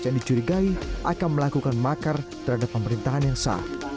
yang dicurigai akan melakukan makar terhadap pemerintahan yang sah